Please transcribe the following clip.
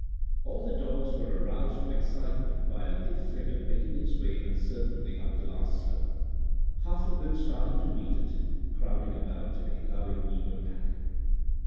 All the dogs were aroused to excitement by a little figure making its way uncertainly up the last slope. Half of them started to meet it, crowding about in a loving, eager pack.